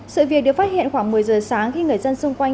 sự việc được phát hiện khoảng một mươi giờ sáng khi người dân xung quanh